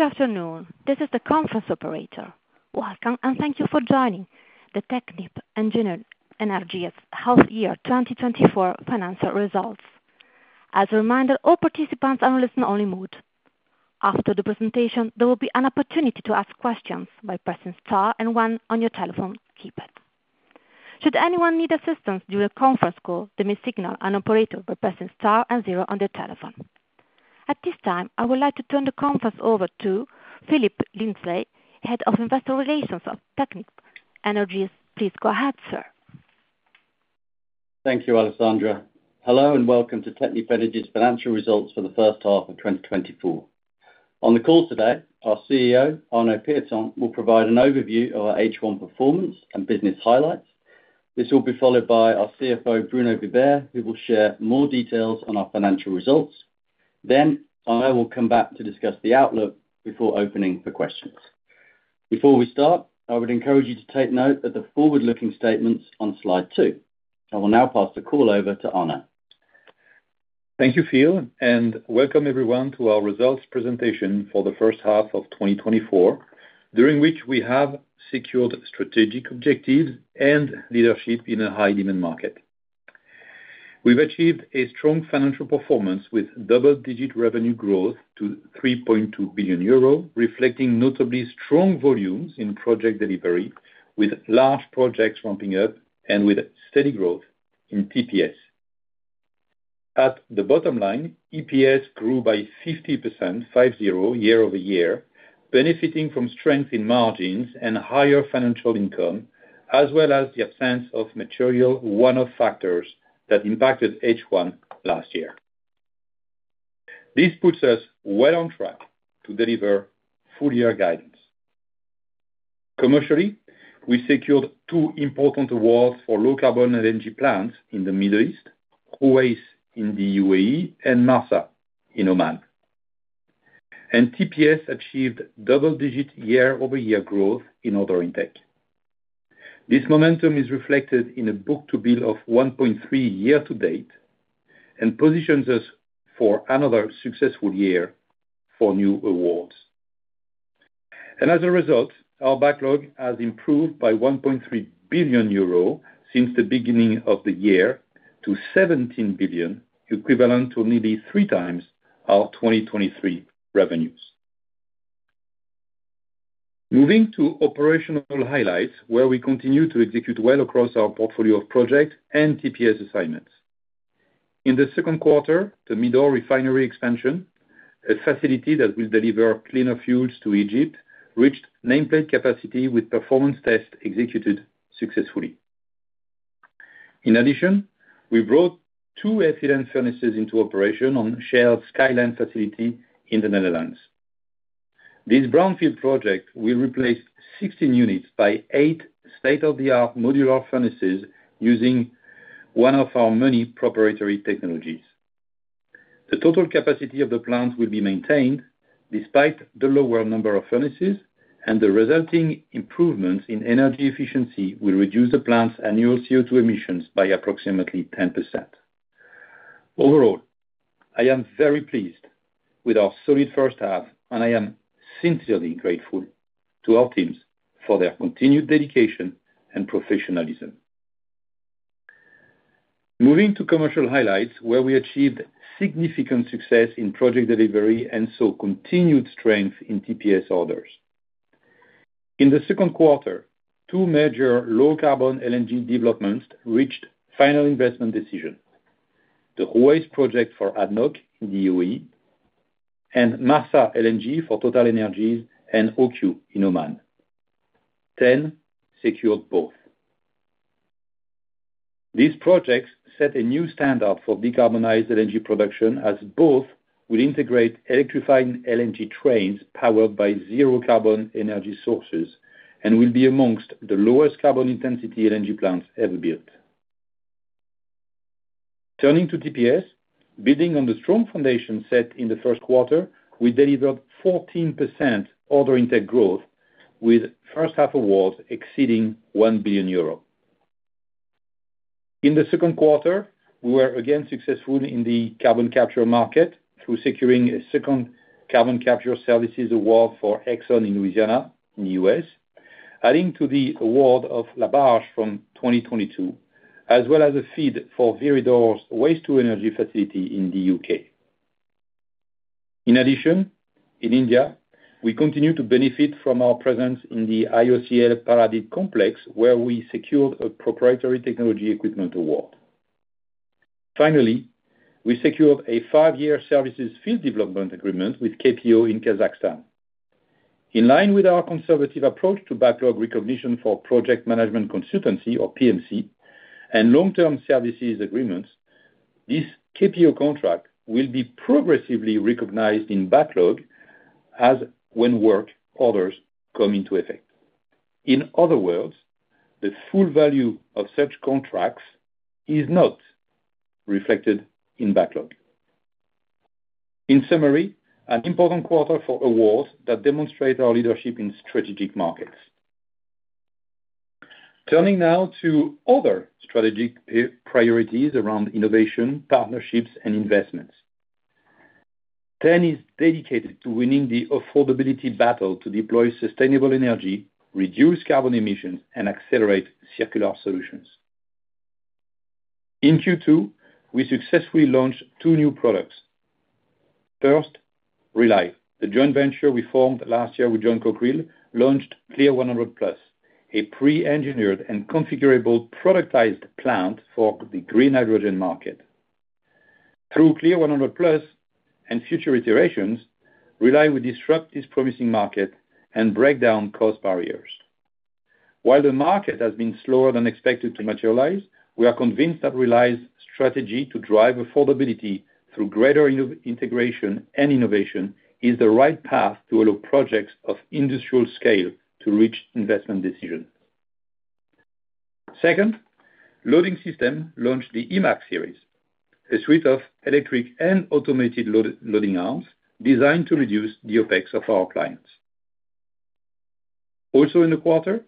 Good afternoon. This is the conference operator. Welcome, and thank you for joining the Technip Energies' half-year 2024 financial results. As a reminder, all participants are in listen-only mode. After the presentation, there will be an opportunity to ask questions by pressing star and one on your telephone keypad. Should anyone need assistance during the conference call, they may signal an operator by pressing star and zero on their telephone. At this time, I would like to turn the conference over to Phillip Lindsay, Head of Investor Relations of Technip Energies. Please go ahead, sir. Thank you, Alessandra. Hello, and welcome to Technip Energies' financial results for the first half of 2024. On the call today, our CEO, Arnaud Pieton, will provide an overview of our H1 performance and business highlights. This will be followed by our CFO, Bruno Vibert, who will share more details on our financial results. Then I will come back to discuss the outlook before opening for questions. Before we start, I would encourage you to take note of the forward-looking statements on slide 2. I will now pass the call over to Arnaud. Thank you, Phil, and welcome everyone to our results presentation for the first half of 2024, during which we have secured strategic objectives and leadership in a high demand market. We've achieved a strong financial performance with double-digit revenue growth to 3.2 billion euro, reflecting notably strong volumes in project delivery, with large projects ramping up and with steady growth in TPS. At the bottom line, EPF grew by 50%, 50, year-over-year, benefiting from strength in margins and higher financial income, as well as the absence of material one-off factors that impacted H1 last year. This puts us well on track to deliver full year guidance. Commercially, we secured 2 important awards for low carbon LNG plants in the Middle East, Ruwais in the UAE and Marsa in Oman. TPS achieved double-digit year-over-year growth in order intake. This momentum is reflected in a book-to-bill of 1.3 year to date and positions us for another successful year for new awards. And as a result, our backlog has improved by 1.3 billion euro since the beginning of the year to 17 billion, equivalent to nearly 3 times our 2023 revenues. Moving to operational highlights, where we continue to execute well across our portfolio of projects and TPS assignments. In the second quarter, the Midor Refinery expansion, a facility that will deliver cleaner fuels to Egypt, reached nameplate capacity with performance tests executed successfully. In addition, we brought 2 effluent furnaces into operation on Shell's Skyline facility in the Netherlands. This brownfield project will replace 16 units by 8 state-of-the-art modular furnaces using one of our many proprietary technologies. The total capacity of the plant will be maintained despite the lower number of furnaces, and the resulting improvements in energy efficiency will reduce the plant's annual CO2 emissions by approximately 10%. Overall, I am very pleased with our solid first half, and I am sincerely grateful to our teams for their continued dedication and professionalism. Moving to commercial highlights, where we achieved significant success in project delivery and saw continued strength in TPS orders. In the second quarter, two major low-carbon LNG developments reached final investment decision. The Ruwais project for ADNOC in the UAE and Marsa LNG for TotalEnergies and OQ in Oman. T.EN secured both. These projects set a new standard for decarbonized LNG production, as both will integrate electrifying LNG trains powered by zero carbon energy sources and will be among the lowest carbon intensity LNG plants ever built. Turning to TPS, building on the strong foundation set in the first quarter, we delivered 14% order intake growth, with first half awards exceeding 1 billion euro. In the second quarter, we were again successful in the carbon capture market through securing a second carbon capture services award for Exxon in Louisiana, in the U.S., adding to the award of LaBarge from 2022, as well as a FEED for Viridor's waste to energy facility in the U.K. In addition, in India, we continue to benefit from our presence in the IOCL Paradip complex, where we secured a proprietary technology equipment award. Finally, we secured a 5-year services field development agreement with KPO in Kazakhstan. In line with our conservative approach to backlog recognition for project management consultancy or PMC and long-term services agreements, this KPO contract will be progressively recognized in backlog as when work orders come into effect. In other words, the full value of such contracts is not reflected in backlog. In summary, an important quarter for awards that demonstrate our leadership in strategic markets. Turning now to other strategic priorities around innovation, partnerships, and investments. T.EN is dedicated to winning the affordability battle to deploy sustainable energy, reduce carbon emissions, and accelerate circular solutions. In Q2, we successfully launched two new products. First, Rely, the joint venture we formed last year with John Cockerill, launched Clear100+, a pre-engineered and configurable productized plant for the green hydrogen market. Through Clear100+ and future iterations, Rely will disrupt this promising market and break down cost barriers. While the market has been slower than expected to materialize, we are convinced that Rely's strategy to drive affordability through greater integration and innovation is the right path to allow projects of industrial scale to reach investment decisions. Second, Loading Systems launched the E-MAX series, a suite of electric and automated loading arms designed to reduce the OpEx of our clients. Also, in the quarter,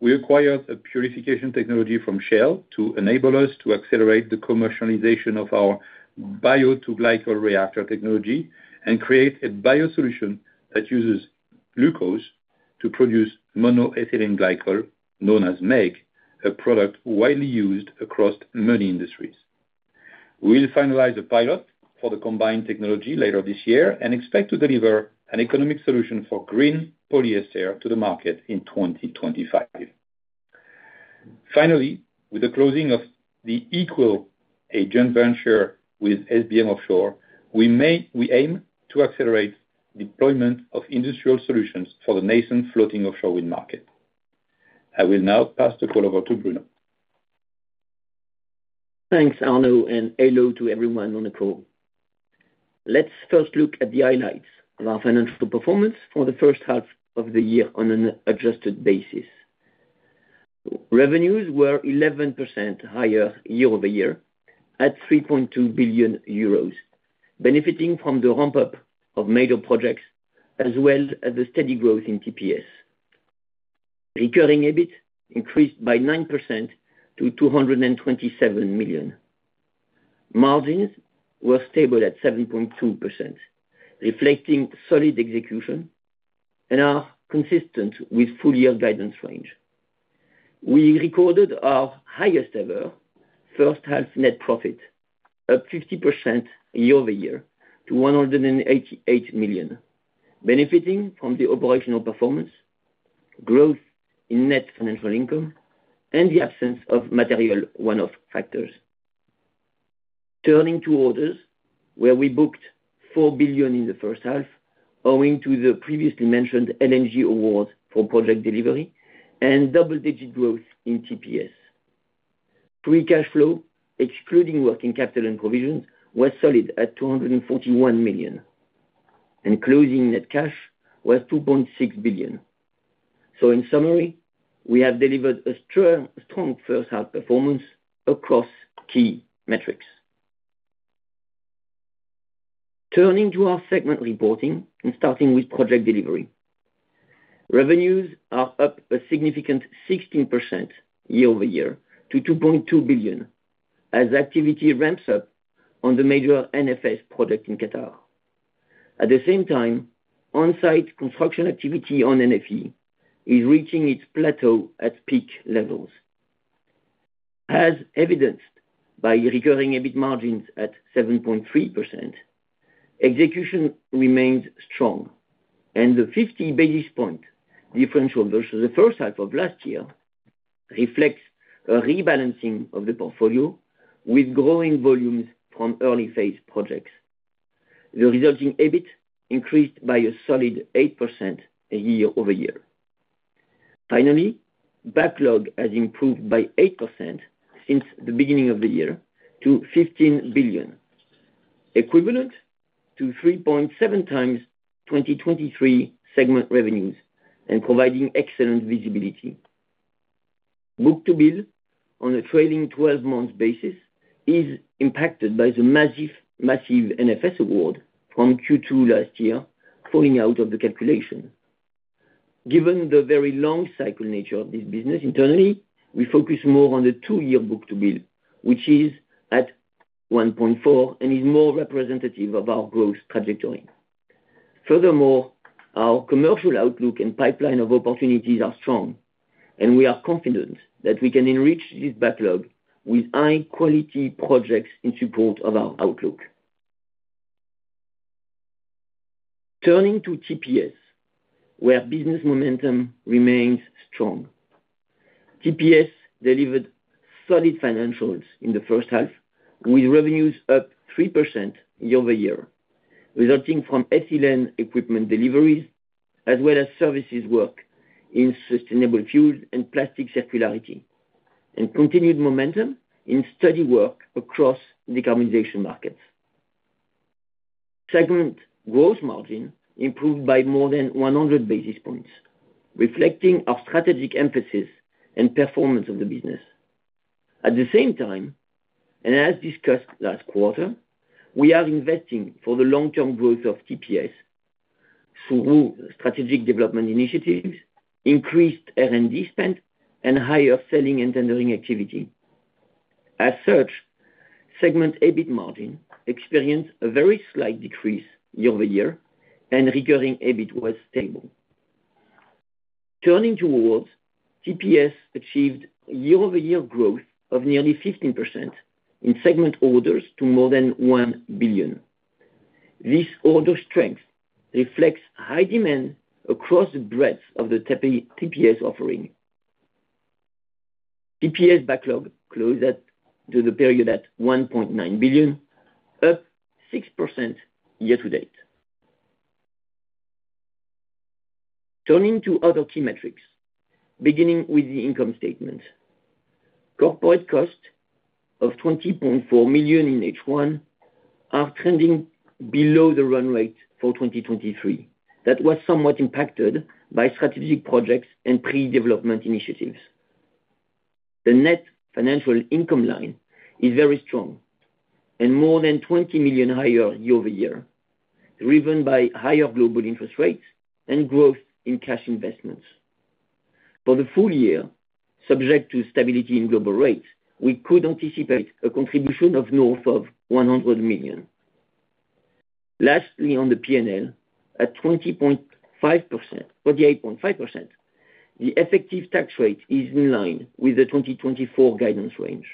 we acquired a purification technology from Shell to enable us to accelerate the commercialization of our Bio-2-Glycol reactor technology and create a bio solution that uses glucose to produce monoethylene glycol, known as MEG, a product widely used across many industries. We'll finalize the pilot for the combined technology later this year and expect to deliver an economic solution for green polyester to the market in 2025. Finally, with the closing of the Ekwil, a joint venture with SBM Offshore, we aim to accelerate deployment of industrial solutions for the nascent floating offshore wind market. I will now pass the call over to Bruno. Thanks, Arnaud, and hello to everyone on the call. Let's first look at the highlights of our financial performance for the first half of the year on an adjusted basis. Revenues were 11% higher year-over-year, at 3.2 billion euros, benefiting from the ramp up of major projects as well as the steady growth in TPS. Recurring EBIT increased by 9% to 227 million. Margins were stable at 7.2%, reflecting solid execution and are consistent with full year guidance range. We recorded our highest ever first half net profit, up 50% year-over-year to 188 million, benefiting from the operational performance, growth in net financial income, and the absence of material one-off factors. Turning to orders, where we booked 4 billion in the first half, owing to the previously mentioned LNG award for Project Delivery and double-digit growth in TPS. Free cash flow, excluding working capital and provisions, was solid at 241 million, and closing net cash was 2.6 billion. So in summary, we have delivered a strong first half performance across key metrics. Turning to our segment reporting and starting with Project Delivery. Revenues are up a significant 16% year-over-year to 2.2 billion, as activity ramps up on the major NFS project in Qatar. At the same time, on-site construction activity on NFE is reaching its plateau at peak levels. As evidenced by recurring EBIT margins at 7.3%, execution remains strong, and the 50 basis point differential versus the first half of last year reflects a rebalancing of the portfolio with growing volumes from early phase projects. The resulting EBIT increased by a solid 8% year-over-year. Finally, backlog has improved by 8% since the beginning of the year to 15 billion, equivalent to 3.7 times 2023 segment revenues and providing excellent visibility. Book-to-Bill on a trailing twelve-month basis is impacted by the massive, massive NFS award from Q2 last year, falling out of the calculation. Given the very long cycle nature of this business, internally, we focus more on the two-year Book-to-Bill, which is at 1.4 and is more representative of our growth trajectory. Furthermore, our commercial outlook and pipeline of opportunities are strong, and we are confident that we can enrich this backlog with high quality projects in support of our outlook. Turning to TPS, where business momentum remains strong. TPS delivered solid financials in the first half, with revenues up 3% year-over-year, resulting from ethylene equipment deliveries, as well as services work in sustainable fuels and plastic circularity, and continued momentum in study work across the decarbonization markets. Segment gross margin improved by more than 100 basis points, reflecting our strategic emphasis and performance of the business. At the same time, and as discussed last quarter, we are investing for the long-term growth of TPS... through strategic development initiatives, increased R&D spend, and higher selling and tendering activity. As such, segment EBIT margin experienced a very slight decrease year-over-year, and recurring EBIT was stable. Turning to awards, TPS achieved year-over-year growth of nearly 15% in segment orders to more than €1 billion. This order strength reflects high demand across the breadth of the T.EN TPS offering. TPS backlog closed at, to the period at €1.9 billion, up 6% year-to-date. Turning to other key metrics, beginning with the income statement. Corporate cost of €20.4 million in H1 are trending below the run rate for 2023. That was somewhat impacted by strategic projects and pre-development initiatives. The net financial income line is very strong and more than €20 million higher year-over-year, driven by higher global interest rates and growth in cash investments. For the full year, subject to stability in global rates, we could anticipate a contribution of north of €100 million. Lastly, on the P&L, at 20.5%-48.5%, the effective tax rate is in line with the 2024 guidance range.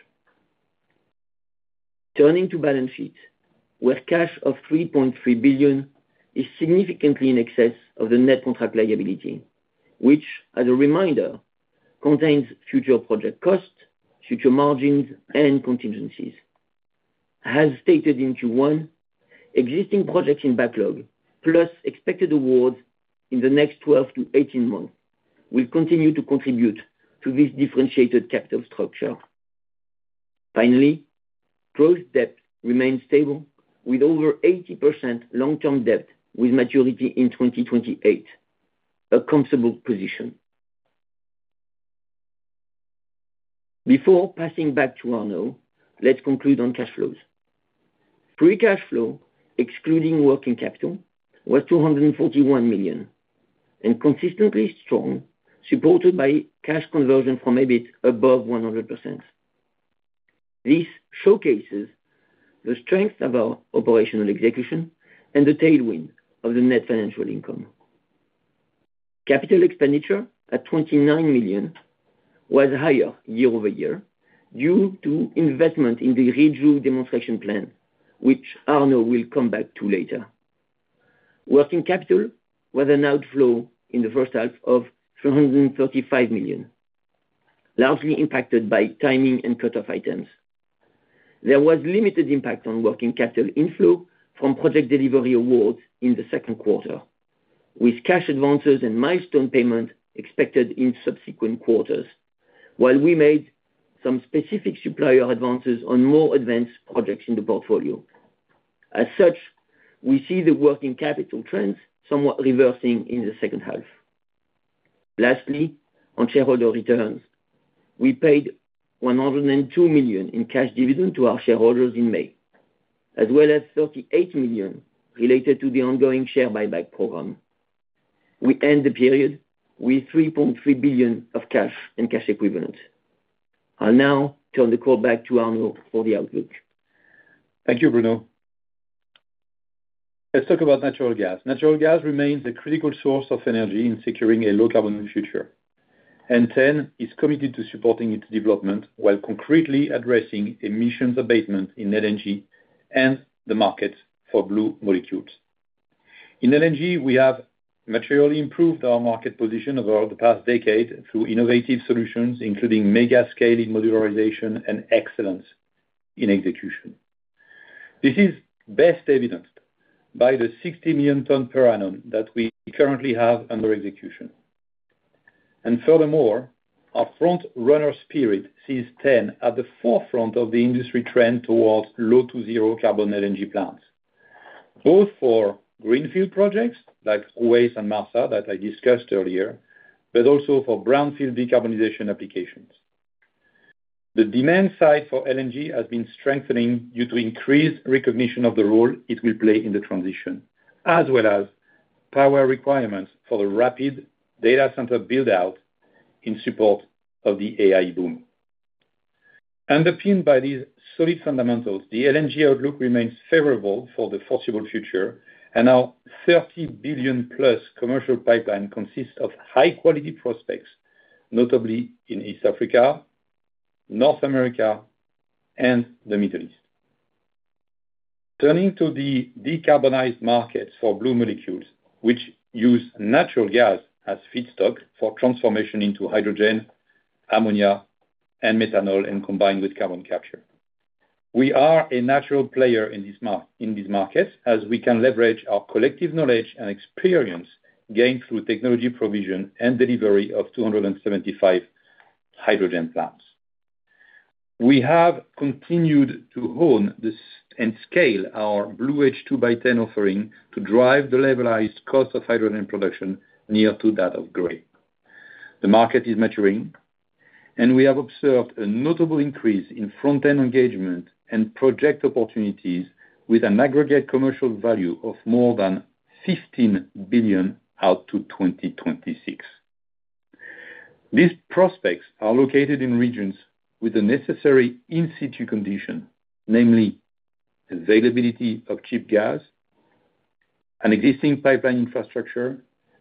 Turning to balance sheet, where cash of 3.3 billion is significantly in excess of the net contract liability, which, as a reminder, contains future project costs, future margins, and contingencies. As stated in Q1, existing projects in backlog, plus expected awards in the next 12-18 months, will continue to contribute to this differentiated capital structure. Finally, gross debt remains stable with over 80% long-term debt, with maturity in 2028, a comfortable position. Before passing back to Arnaud, let's conclude on cash flows. Free cash flow, excluding working capital, was 241 million, and consistently strong, supported by cash conversion from EBIT above 100%. This showcases the strength of our operational execution and the tailwind of the net financial income. Capital expenditure at 29 million was higher year-over-year due to investment in the Reju demonstration plant, which Arnaud will come back to later. Working capital was an outflow in the first half of 335 million, largely impacted by timing and cut-off items. There was limited impact on working capital inflow from project delivery awards in the second quarter, with cash advances and milestone payment expected in subsequent quarters, while we made some specific supplier advances on more advanced projects in the portfolio. As such, we see the working capital trends somewhat reversing in the second half. Lastly, on shareholder returns, we paid 102 million in cash dividend to our shareholders in May, as well as 38 million related to the ongoing share buyback program. We end the period with 3.3 billion of cash and cash equivalents. I'll now turn the call back to Arnaud for the outlook. Thank you, Bruno. Let's talk about natural gas. Natural gas remains a critical source of energy in securing a low carbon future, and T.EN is committed to supporting its development while concretely addressing emissions abatement in LNG and the market for blue molecules. In LNG, we have materially improved our market position over the past decade through innovative solutions, including mega-scale modularization and excellence in execution. This is best evidenced by the 60 million tons per annum that we currently have under execution. And furthermore, our front-runner spirit sees T.EN at the forefront of the industry trend towards low to zero carbon LNG plants, both for greenfield projects like Ruwais and Marsa, that I discussed earlier, but also for brownfield decarbonization applications. The demand side for LNG has been strengthening due to increased recognition of the role it will play in the transition, as well as power requirements for the rapid data center build-out in support of the AI boom. Underpinned by these solid fundamentals, the LNG outlook remains favorable for the foreseeable future, and our 30 billion-plus commercial pipeline consists of high quality prospects, notably in East Africa, North America, and the Middle East. Turning to the decarbonized markets for blue molecules, which use natural gas as feedstock for transformation into hydrogen, ammonia, and methanol, and combined with carbon capture. We are a natural player in this in these markets, as we can leverage our collective knowledge and experience gained through technology provision and delivery of 275 hydrogen plants. We have continued to hone this and scale our BlueH2 by T.EN offering to drive the levelized cost of hydrogen production near to that of gray.... The market is maturing, and we have observed a notable increase in front-end engagement and project opportunities with an aggregate commercial value of more than 15 billion out to 2026. These prospects are located in regions with the necessary in-situ condition, namely availability of cheap gas, an existing pipeline infrastructure,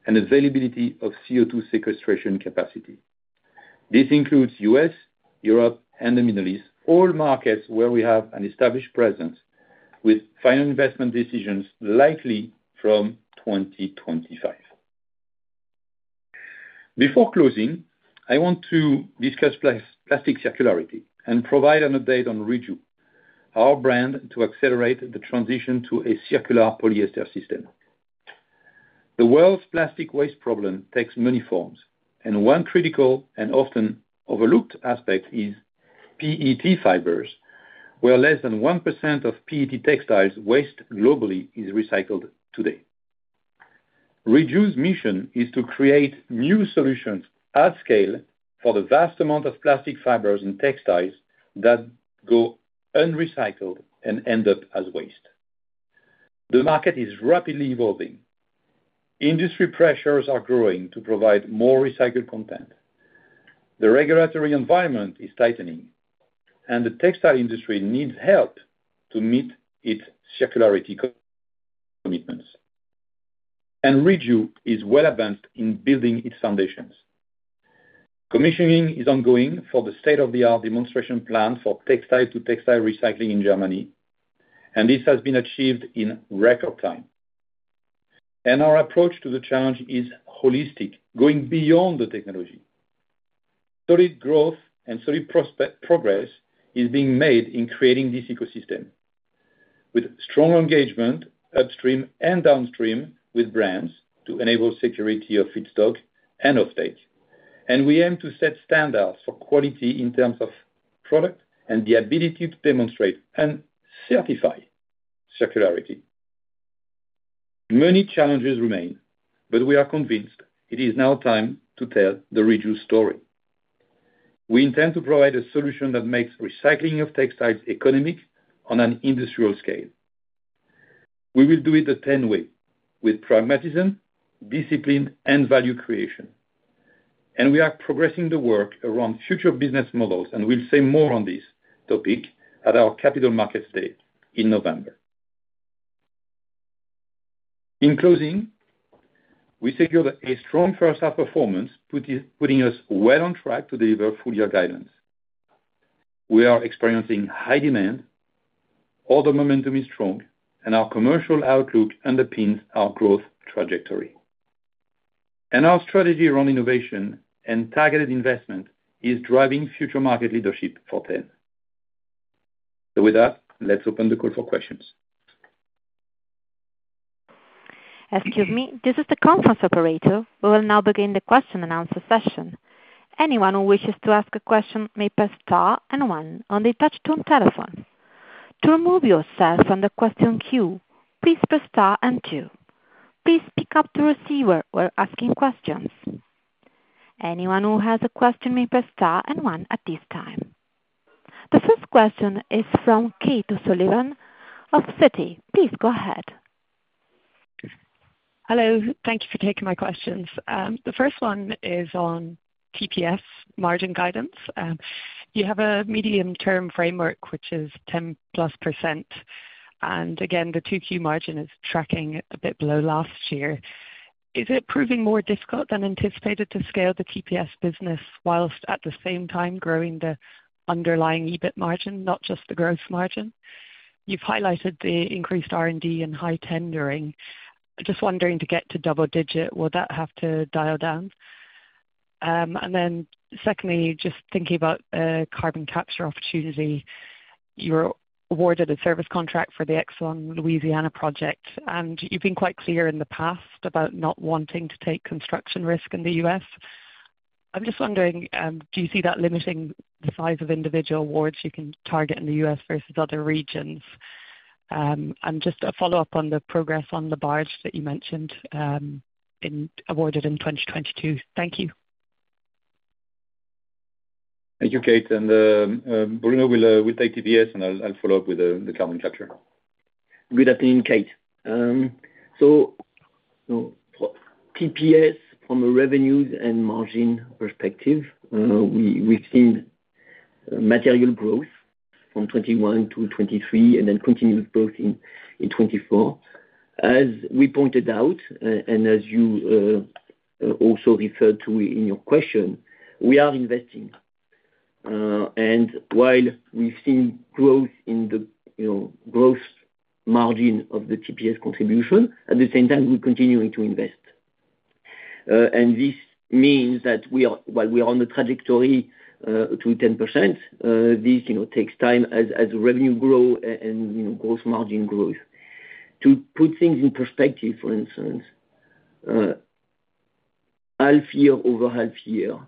and availability of CO2 sequestration capacity. This includes U.S., Europe, and the Middle East, all markets where we have an established presence, with final investment decisions likely from 2025. Before closing, I want to discuss plastic circularity and provide an update on Reju, our brand to accelerate the transition to a circular polyester system. The world's plastic waste problem takes many forms, and one critical and often overlooked aspect is PET fibers, where less than 1% of PET textiles waste globally is recycled today. Reju's mission is to create new solutions at scale for the vast amount of plastic fibers and textiles that go unrecycled and end up as waste. The market is rapidly evolving. Industry pressures are growing to provide more recycled content. The regulatory environment is tightening, and the textile industry needs help to meet its circularity co-commitments. Reju is well advanced in building its foundations. Commissioning is ongoing for the state-of-the-art demonstration plant for textile to textile recycling in Germany, and this has been achieved in record time. Our approach to the challenge is holistic, going beyond the technology. Solid growth and solid prospects progress is being made in creating this ecosystem, with strong engagement upstream and downstream with brands to enable security of feedstock and offtake. We aim to set standards for quality in terms of product and the ability to demonstrate and certify circularity. Many challenges remain, but we are convinced it is now time to tell the Reju story. We intend to provide a solution that makes recycling of textiles economic on an industrial scale. We will do it the TEN way, with pragmatism, discipline, and value creation, and we are progressing the work around future business models, and we'll say more on this topic at our capital market stage in November. In closing, we secured a strong first half performance, putting us well on track to deliver full year guidance. We are experiencing high demand, order momentum is strong, and our commercial outlook underpins our growth trajectory. And our strategy around innovation and targeted investment is driving future market leadership for T.EN. So with that, let's open the call for questions. Excuse me, this is the conference operator. We will now begin the question and answer session. Anyone who wishes to ask a question may press star and one on the touch tone telephone. To remove yourself from the question queue, please press star and two. Please pick up the receiver when asking questions. Anyone who has a question may press star and one at this time. The first question is from Kate O'Sullivan of Citi. Please go ahead. Hello. Thank you for taking my questions. The first one is on TPS margin guidance. You have a medium-term framework which is 10%+, and again, the 2Q margin is tracking a bit below last year. Is it proving more difficult than anticipated to scale the TPS business while at the same time growing the underlying EBIT margin, not just the gross margin? You've highlighted the increased R&D and high tendering. Just wondering, to get to double digit, will that have to dial down? And then secondly, just thinking about carbon capture opportunity. You're awarded a service contract for the Exxon Louisiana project, and you've been quite clear in the past about not wanting to take construction risk in the U.S. I'm just wondering, do you see that limiting the size of individual awards you can target in the U.S. versus other regions? Just a follow-up on the progress on Labarge that you mentioned, awarded in 2022. Thank you. Thank you, Kate. And Bruno will take TPS, and I'll follow up with the carbon capture. Good afternoon, Kate. So, so TPS, from a revenues and margin perspective, we've seen material growth from 2021 to 2023, and then continued growth in 2024. As we pointed out, and as you also referred to in your question, we are investing. And while we've seen growth in the, you know, growth margin of the TPS contribution, at the same time, we're continuing to invest. And this means that we are... While we are on the trajectory to 10%, this, you know, takes time as revenue growth and, you know, gross margin growth. To put things in perspective, for instance, half year over half year- ...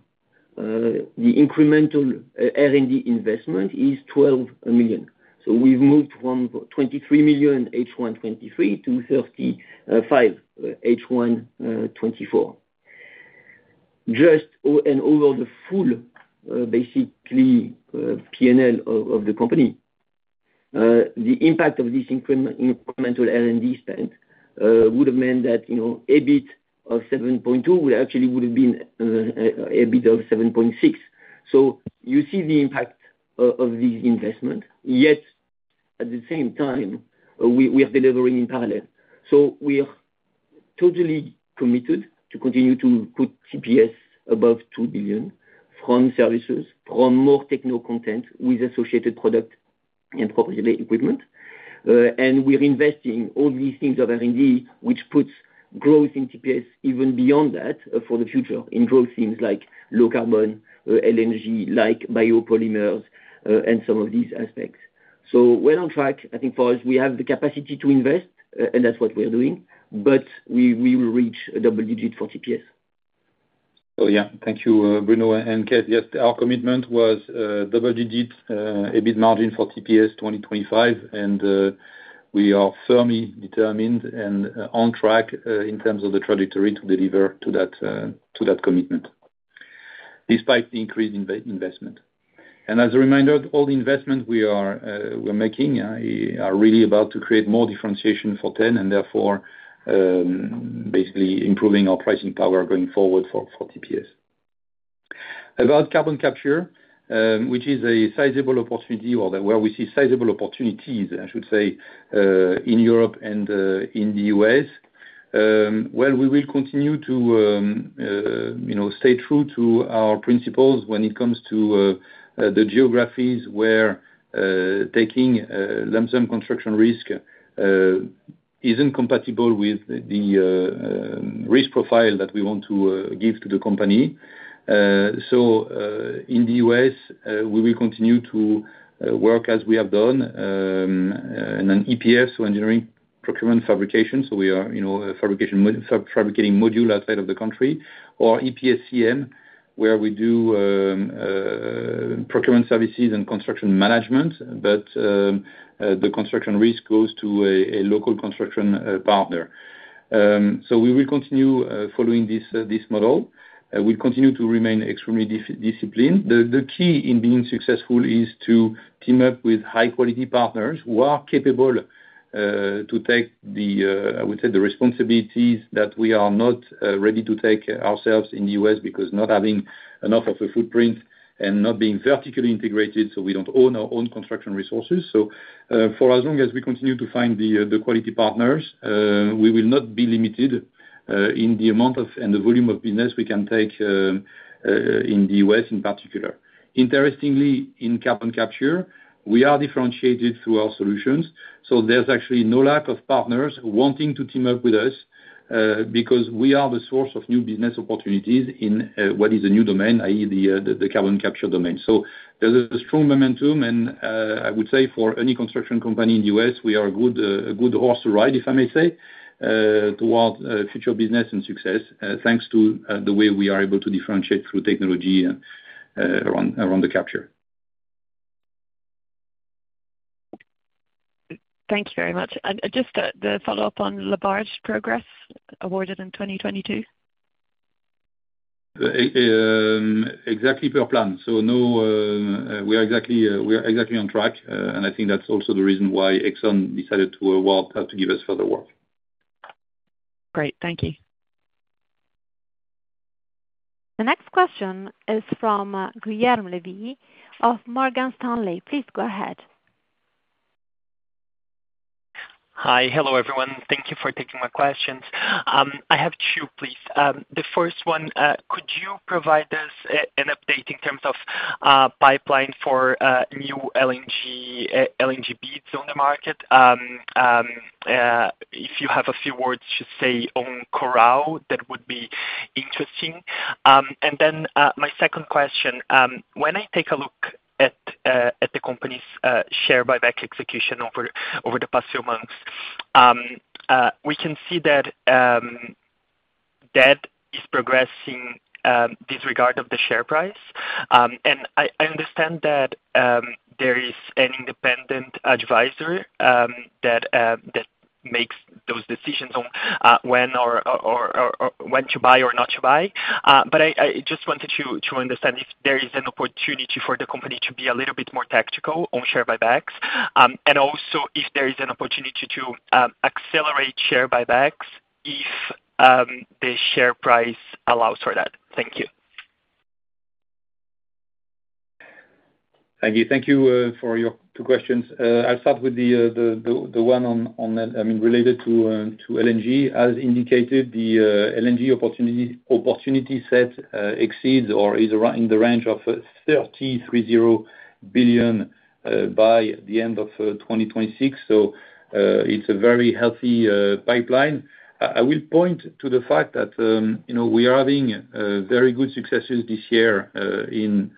the incremental R&D investment is 12 million. So we've moved from 23 million H1 2023 to 35 H1 2024. Just over the full basically PNL of the company the impact of this incremental R&D spend would have meant that you know EBIT of 7.2 would actually would have been EBIT of 7.6. So you see the impact of the investment yet at the same time we are delivering in parallel. So we are totally committed to continue to put TPS above 2 billion from services from more techno content with associated product and probably equipment. And we're investing all these things of R&D, which puts growth in TPS even beyond that, for the future, in growth things like low carbon, LNG, like biopolymers, and some of these aspects. So we're on track. I think for us, we have the capacity to invest, and that's what we are doing. But we will reach double digit for TPS. Oh, yeah, thank you, Bruno and Kate. Yes, our commitment was double-digit EBIT margin for TPS 2025, and we are firmly determined and on track in terms of the trajectory to deliver to that commitment, despite the increased investment. And as a reminder, all the investment we are making are really about to create more differentiation for ten, and therefore, basically improving our pricing power going forward for TPS. About carbon capture, which is a sizable opportunity or that where we see sizable opportunities, I should say, in Europe and in the U.S. Well, we will continue to, you know, stay true to our principles when it comes to the geographies where taking lump sum construction risk isn't compatible with the risk profile that we want to give to the company. So, in the U.S., we will continue to work as we have done in an EPS, so engineering, procurement, fabrication. So we are, you know, a fabrication, fabricating module outside of the country, or EPSCM, where we do procurement services and construction management, but the construction risk goes to a local construction partner. So we will continue following this model. We'll continue to remain extremely discipline. The key in being successful is to team up with high quality partners who are capable to take the I would say the responsibilities that we are not ready to take ourselves in the U.S., because not having enough of a footprint and not being vertically integrated, so we don't own our own construction resources. So for as long as we continue to find the quality partners we will not be limited in the amount of and the volume of business we can take in the U.S. in particular. Interestingly, in carbon capture, we are differentiated through our solutions, so there's actually no lack of partners wanting to team up with us because we are the source of new business opportunities in what is a new domain, i.e., the carbon capture domain. There's a strong momentum, and I would say for any construction company in the US, we are a good horse to ride, if I may say, towards future business and success, thanks to the way we are able to differentiate through technology around the capture. Thank you very much. Just, the follow-up on Labarge progress awarded in 2022? Exactly per plan. So no, we are exactly on track, and I think that's also the reason why Exxon decided to award to give us further work. Great, thank you. The next question is from Guillaume Levy of Morgan Stanley. Please go ahead. Hi. Hello, everyone. Thank you for taking my questions. I have two, please. The first one, could you provide us an update in terms of pipeline for new LNG LNG bids on the market? If you have a few words to say on Coral, that would be interesting. And then, my second question, when I take a look at the company's share buyback execution over the past few months, we can see that that is progressing disregard of the share price. And I understand that there is an independent advisor that makes those decisions on when or when to buy or not to buy. But I just wanted to understand if there is an opportunity for the company to be a little bit more tactical on share buybacks, and also if there is an opportunity to accelerate share buybacks if the share price allows for that? Thank you. Thank you. Thank you for your two questions. I'll start with the one on, I mean, related to LNG. As indicated, the LNG opportunity set exceeds or is in the range of 33 billion by the end of 2026, so it's a very healthy pipeline. I will point to the fact that, you know, we are having very good successes this year in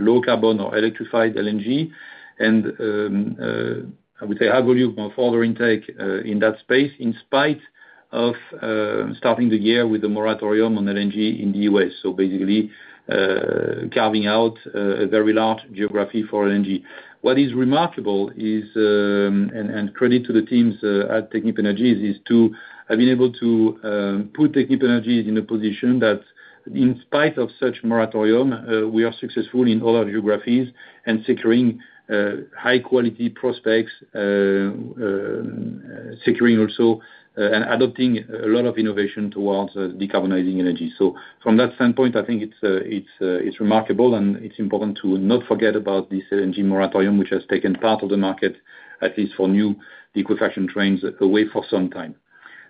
low carbon or electrified LNG. And I would say high volume of order intake in that space, in spite of starting the year with a moratorium on LNG in the U.S. So basically, carving out a very large geography for LNG. What is remarkable is credit to the teams at Technip Energies, is to have been able to put Technip Energies in a position that in spite of such moratorium, we are successful in all our geographies, and securing high quality prospects, securing also, and adopting a lot of innovation towards decarbonizing energy. So from that standpoint, I think it's remarkable, and it's important to not forget about this LNG moratorium, which has taken part of the market, at least for new liquefaction trains, away for some time.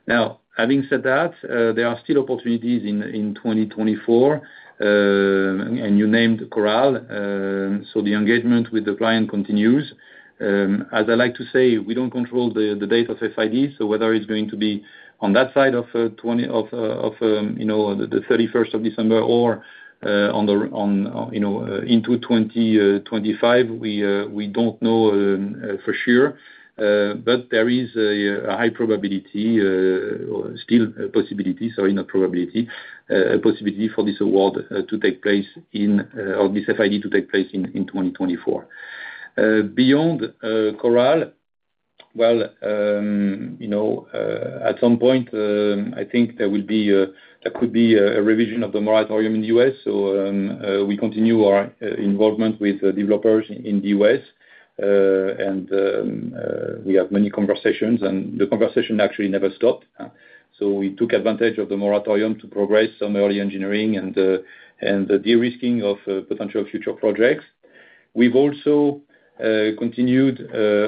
Now, having said that, there are still opportunities in 2024, and you named Coral. So the engagement with the client continues. As I like to say, we don't control the date of FID, so whether it's going to be on that side of, you know, the 31st of December, or on, you know, into 2025, we don't know for sure. But there is a high probability, or still a possibility, sorry, not probability, a possibility for this award to take place in... or this FID to take place in 2024. Beyond Coral, well, you know, at some point, I think there will be a, there could be a revision of the moratorium in the U.S., so we continue our involvement with the developers in the U.S. We have many conversations, and the conversation actually never stopped, so we took advantage of the moratorium to progress some early engineering and the de-risking of potential future projects. We've also continued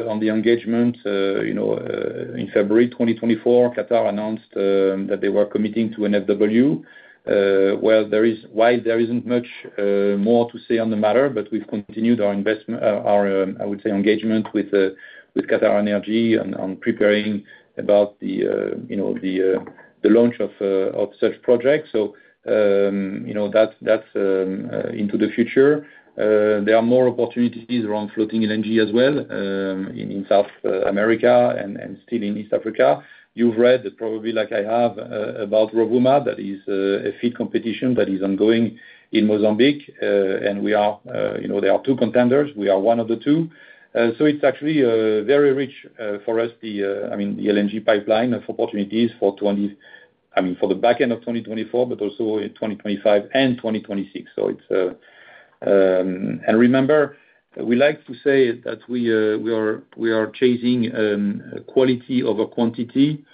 on the engagement, you know, in February 2024, Qatar announced that they were committing to an NFW. Well, while there isn't much more to say on the matter, but we've continued our, I would say engagement with QatarEnergy on preparing about the, you know, the launch of such projects. So, you know, that's into the future. There are more opportunities around floating LNG as well, in South America and still in East Africa. You've read, probably like I have, about Rovuma, that is, a feed competition that is ongoing in Mozambique. And we are, you know, there are two contenders, we are one of the two. So it's actually very rich for us, I mean, the LNG pipeline of opportunities for... I mean, for the back end of 2024, but also in 2025 and 2026. So it's... And remember, we like to say that we, we are chasing quality over quantity.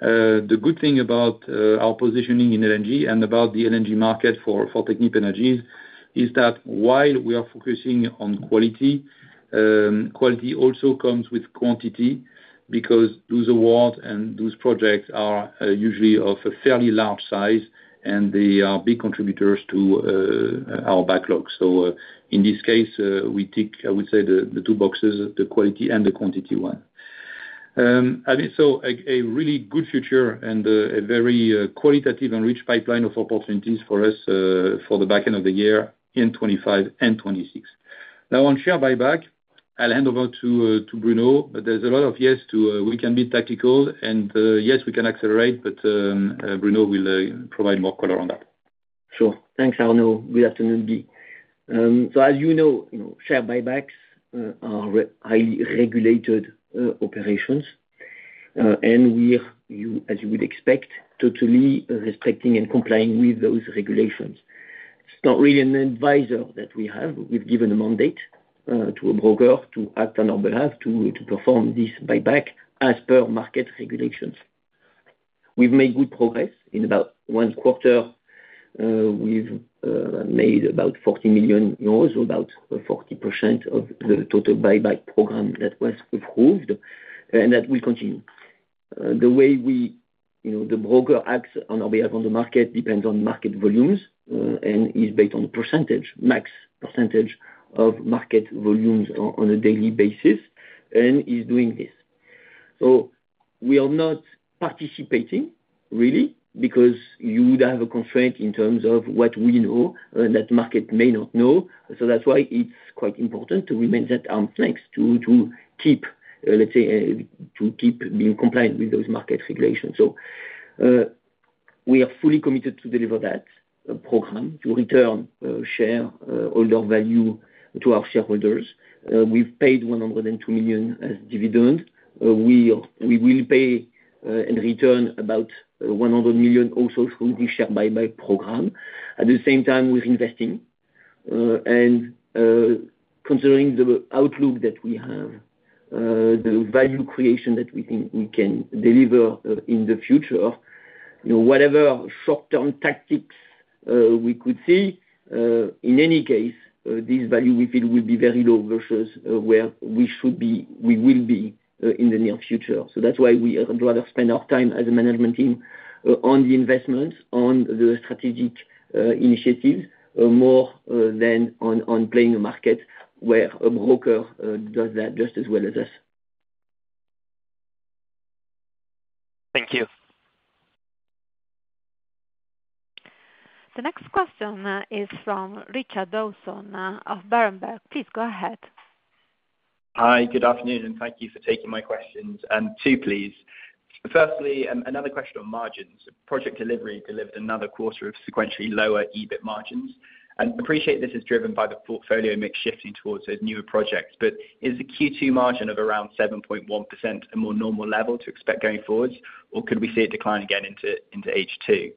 The good thing about our positioning in LNG and about the LNG market for Technip Energies is that while we are focusing on quality, quality also comes with quantity, because those awards and those projects are usually of a fairly large size, and they are big contributors to our backlog. So, in this case, we tick, I would say, the, the two boxes, the quality and the quantity one. And so a really good future and a very qualitative and rich pipeline of opportunities for us, for the back end of the year in 2025 and 2026. Now, on share buyback, I'll hand over to to Bruno, but there's a lot of yes to we can be tactical, and yes, we can accelerate, but Bruno will provide more color on that. Sure. Thanks, Arnaud. Good afternoon, Guillaume. So as you know, you know, share buybacks are highly regulated operations. And we're, you, as you would expect, totally respecting and complying with those regulations. It's not really an advisor that we have, we've given a mandate to a broker to act on our behalf to perform this buyback as per market regulations. We've made good progress in about one quarter, we've made about 40 million euros, so about 40% of the total buyback program that was approved, and that will continue. The way we, you know, the broker acts on our behalf on the market, depends on market volumes, and is based on percentage, max percentage of market volumes on a daily basis, and is doing this. So we are not participating, really, because you would have a constraint in terms of what we know, that market may not know. So that's why it's quite important to remain that arm's length, to, to keep, let's say, to keep being compliant with those market regulations. So, we are fully committed to deliver that, program, to return, shareholder value to our shareholders. We've paid 102 million as dividend. We will pay, in return about, 100 million also through this share buyback program. At the same time, we're investing, considering the outlook that we have, the value creation that we think we can deliver, in the future, you know, whatever short-term tactics we could see, in any case, this value we feel will be very low versus, where we should be, we will be, in the near future. So that's why we would rather spend our time as a management team, on the investments, on the strategic, initiatives, more, than on playing a market where a broker does that just as well as us. Thank you. The next question is from Richard Dawson of Berenberg. Please go ahead. Hi, good afternoon, and thank you for taking my questions. Two, please. Firstly, another question on margins. Project Delivery delivered another quarter of sequentially lower EBIT margins, and appreciate this is driven by the portfolio mix shifting towards those newer projects, but is the Q2 margin of around 7.1% a more normal level to expect going forwards, or could we see a decline again into H2?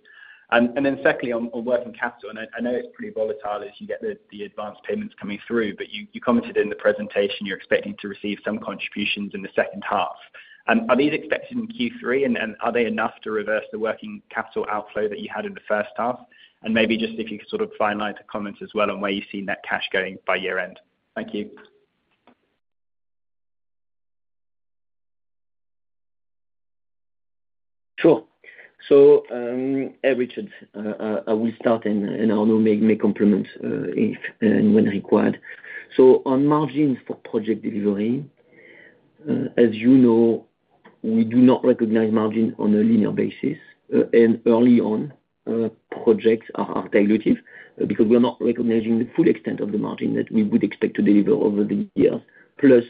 And then secondly, on working capital, and I know it's pretty volatile as you get the advanced payments coming through, but you commented in the presentation you're expecting to receive some contributions in the second half. Are these expected in Q3? And are they enough to reverse the working capital outflow that you had in the first half? Maybe just if you could sort of finalize the comments as well on where you see net cash going by year-end. Thank you. Sure. So, hey, Richard, I will start and Arnaud may complement, if and when required. So on margins for project delivery, as you know, we do not recognize margin on a linear basis. And early on, projects are dilutive, because we're not recognizing the full extent of the margin that we would expect to deliver over the years. Plus,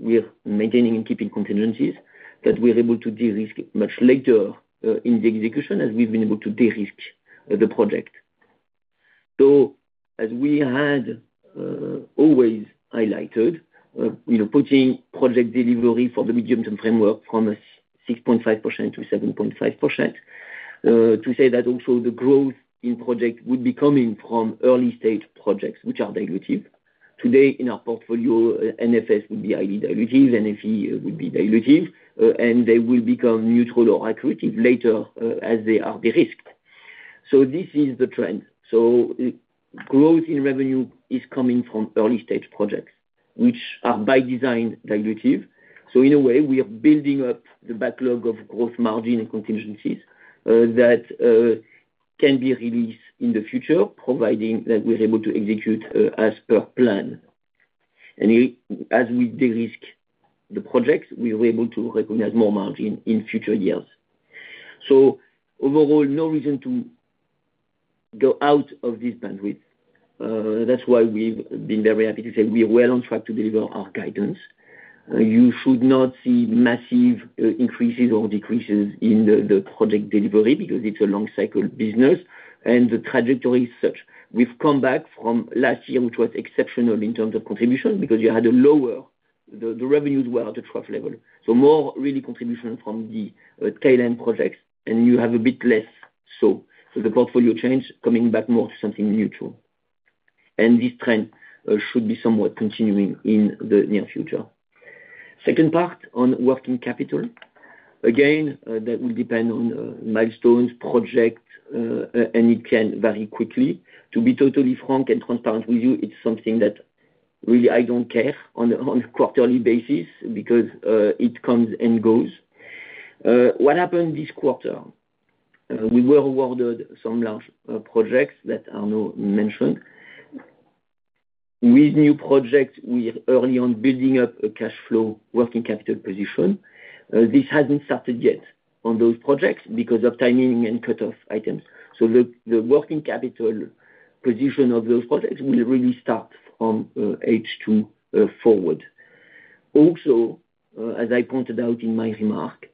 we are maintaining and keeping contingencies that we are able to de-risk much later, in the execution, as we've been able to de-risk the project. So as we had always highlighted, you know, putting project delivery for the medium-term framework from a 6.5% to 7.5%, to say that also the growth in project would be coming from early stage projects, which are dilutive. Today, in our portfolio, NFS would be highly dilutive, NFE would be dilutive, and they will become neutral or accretive later, as they are de-risked. So this is the trend. So growth in revenue is coming from early stage projects, which are by design, dilutive. So in a way, we are building up the backlog of growth margin and contingencies, that can be released in the future, providing that we're able to execute, as per plan. And as we de-risk the projects, we were able to recognize more margin in future years. So overall, no reason to go out of this bandwidth. That's why we've been very happy to say we are well on track to deliver our guidance. You should not see massive increases or decreases in the project delivery, because it's a long cycle business, and the trajectory is such. We've come back from last year, which was exceptional in terms of contribution, because the revenues were at a trough level. So more really contribution from the tail end projects, and you have a bit less so. So the portfolio change coming back more to something neutral. And this trend should be somewhat continuing in the near future. Second part on working capital, again, that will depend on milestones, projects, and it can vary quickly. To be totally frank and transparent with you, it's something that really I don't care on a quarterly basis, because it comes and goes. What happened this quarter? We were awarded some large projects that Arnaud mentioned. With new projects, we are early on building up a cashflow working capital position. This hasn't started yet on those projects because of timing and cutoff items. So the working capital position of those projects will really start from H2 forward. Also, as I pointed out in my remark,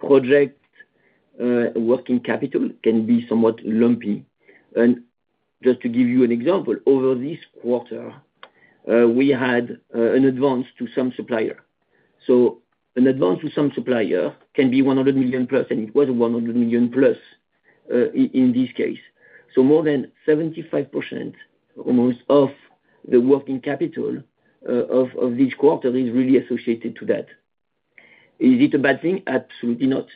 project working capital can be somewhat lumpy. And just to give you an example, over this quarter, we had an advance to some supplier. So an advance to some supplier can be 100 million plus, and it was 100 million plus, in this case. So more than 75% almost of the working capital of this quarter is really associated to that. Is it a bad thing? Absolutely not,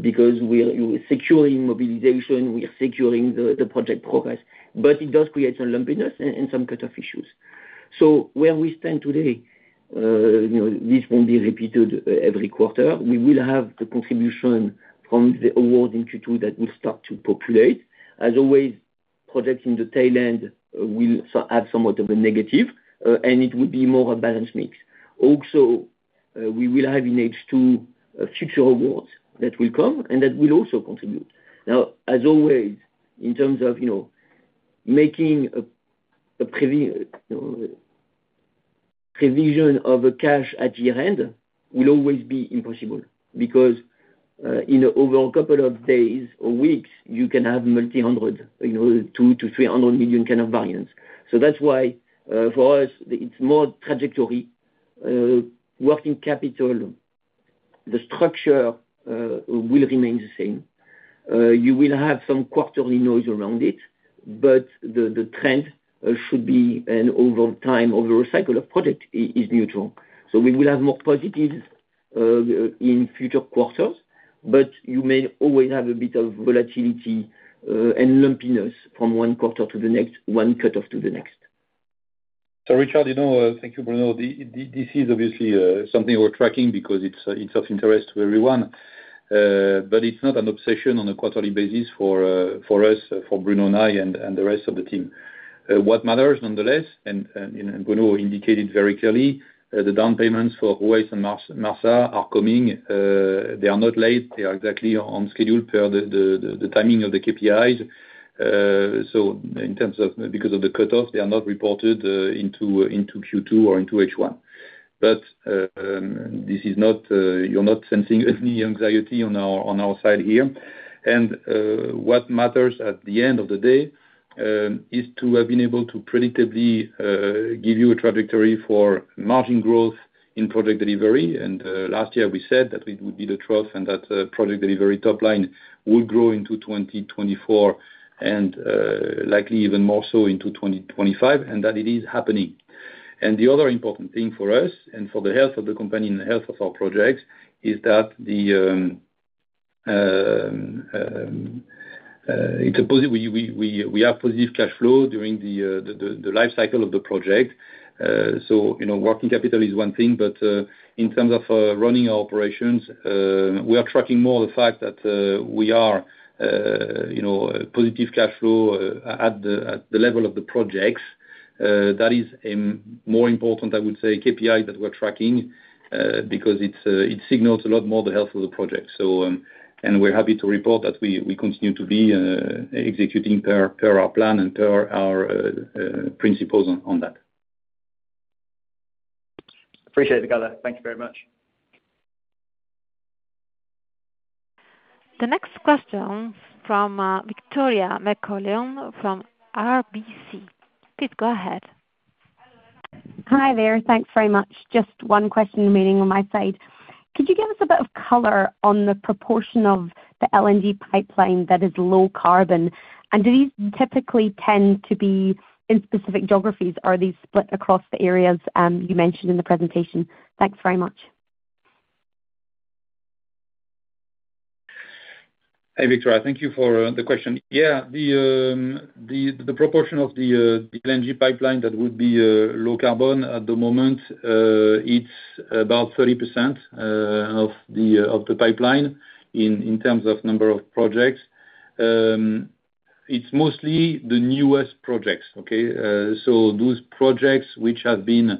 because we are, we're securing mobilization, we are securing the, the project progress. But it does create some lumpiness and, and some cutoff issues. So where we stand today, you know, this won't be repeated every quarter. We will have the contribution from the award in Q2 that will start to populate. As always, projects in the tail end will add somewhat of a negative, and it will be more a balanced mix. Also, we will have in H2, future awards that will come, and that will also contribute. Now, as always, in terms of, you know, making a, a prevision of a cash at year end will always be impossible, because, in over a couple of days or weeks, you can have multi-hundred, you know, 200 million-300 million kind of variance. So that's why, for us, it's more trajectory. Working capital, the structure, will remain the same. You will have some quarterly noise around it, but the trend should be, and over time, over a cycle of product is neutral. So we will have more positives in future quarters, but you may always have a bit of volatility, and lumpiness from one quarter to the next, one cutoff to the next. So Richard, you know, thank you, Bruno. This is obviously something we're tracking because it's of interest to everyone, but it's not an obsession on a quarterly basis for us, for Bruno and I, and the rest of the team. What matters nonetheless, and Bruno indicated very clearly, the down payments for Ruwais and Marsa, Marsa are coming. They are not late, they are exactly on schedule per the timing of the KPIs. So in terms of—because of the cutoffs, they are not reported into Q2 or into H1. But this is not, you're not sensing any anxiety on our side here. What matters at the end of the day is to have been able to predictably give you a trajectory for margin growth in Project Delivery. Last year we said that it would be the truth, and that Project Delivery top line would grow into 2024, and likely even more so into 2025, and that it is happening. The other important thing for us, and for the health of the company and the health of our projects, is that we have positive cash flow during the life cycle of the project. So, you know, working capital is one thing, but in terms of running our operations, we are tracking more the fact that we are, you know, positive cash flow at the level of the projects. That is more important, I would say, KPI that we're tracking because it's, it signals a lot more the health of the project. So, and we're happy to report that we continue to be executing per our plan and per our principles on that. Appreciate it, color. Thank you very much. The next question from, Victoria McCulloch from RBC. Please go ahead. Hi there. Thanks very much. Just one question remaining on my side. Could you give us a bit of color on the proportion of the LNG pipeline that is low carbon? And do these typically tend to be in specific geographies, or are these split across the areas, you mentioned in the presentation? Thanks very much. Hey, Victoria, thank you for the question. Yeah, the proportion of the LNG pipeline that would be low carbon at the moment, it's about 30% of the pipeline in terms of number of projects. It's mostly the newest projects, okay? So those projects which have been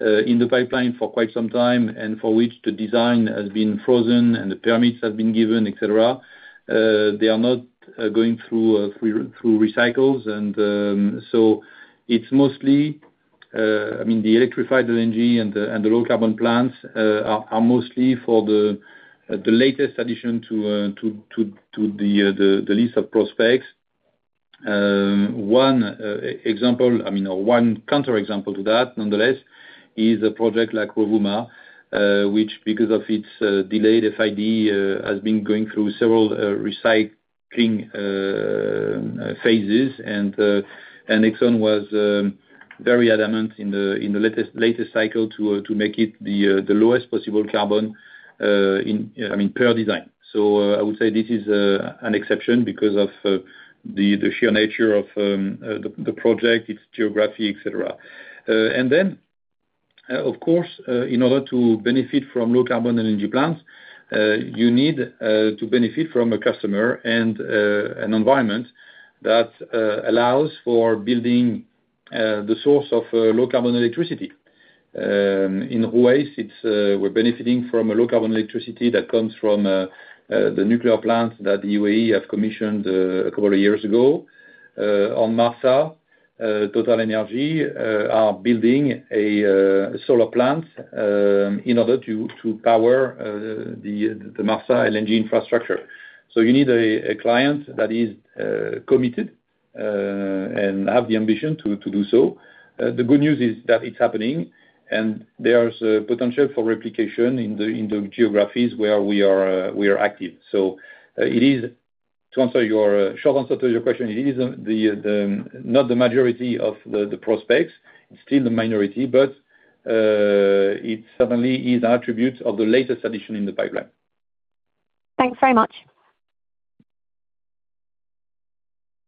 in the pipeline for quite some time, and for which the design has been frozen and the permits have been given, et cetera, they are not going through recycles. And so it's mostly... I mean, the electrified LNG and the low carbon plans are mostly for the latest addition to the list of prospects. One example- I mean, or one counter example to that, nonetheless, is a project like Rovuma, which, because of its, delayed FID, has been going through several, recycling phases. And, and Exxon was, very adamant in the, in the latest, latest cycle to, to make it the, the lowest possible carbon, in, I mean, per design. So, I would say this is, an exception because of, the sheer nature of, the project, its geography, et cetera. And then, of course, in order to benefit from low carbon LNG plants, you need, to benefit from a customer and, an environment that, allows for building, the source of, low carbon electricity. In Ruwais, it's we're benefiting from a low carbon electricity that comes from the nuclear plant that the UAE have commissioned a couple of years ago. On Marsa, TotalEnergies are building a solar plant in order to power the Marsa LNG infrastructure. So you need a client that is committed and have the ambition to do so. The good news is that it's happening, and there is a potential for replication in the geographies where we are active. So, it is, to answer your... short answer to your question, it is the not the majority of the prospects, it's still the minority, but it certainly is an attribute of the latest addition in the pipeline. Thanks very much.